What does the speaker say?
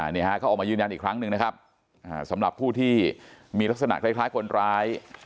นี่ฮะเขาออกมายืนยันอีกครั้งหนึ่งนะครับสำหรับผู้ที่มีลักษณะคล้ายคนร้าย